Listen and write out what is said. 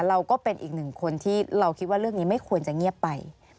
เราก็เป็นอีกหนึ่งคนที่เราคิดว่าเรื่องนี้ไม่ควรจะเงียบไป